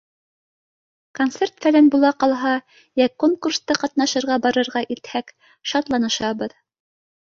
Концерт-фәлән була ҡалһа йә конкурста ҡатнашырға барырға итһәк, — шатланышабыҙ.